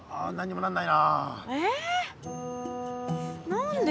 何で？